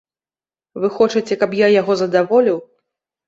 Вы хочаце, каб я яго задаволіў?